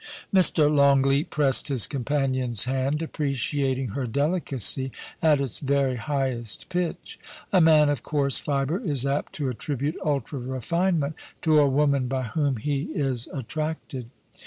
Mr. Longleat pressed his companion's hand, appreciating her delicacy at its very highest pitch. A man of coarse fibre is apt to attribute ultra refinement to a woman by whom he is attracted.